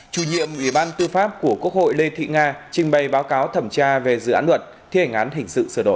chủ nhiệm ủy ban tư pháp của quốc hội lê thị nga trình bày báo cáo thẩm tra về dự án luật thi hành án hình sự sửa đổi